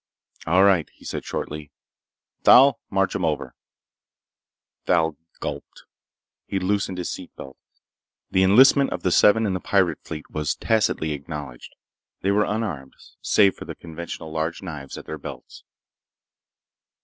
"All right," he said shortly. "Thal, march 'em over." Thal gulped. He loosened his seat belt. The enlistment of the seven in the pirate fleet was tacitly acknowledged. They were unarmed save for the conventional large knives at their belts.